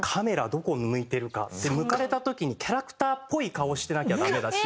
どこ向いてるか。で抜かれた時にキャラクターっぽい顔をしてなきゃダメだし。